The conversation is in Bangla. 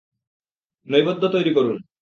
নৈবেদ্য তৈরি করুন।